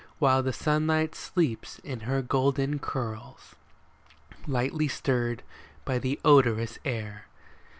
While the sunlight sleeps in her golden curls, Lightly stirred by the odorous air.